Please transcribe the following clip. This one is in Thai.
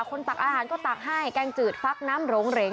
ตักอาหารก็ตักให้แกงจืดฟักน้ำหลงเหรง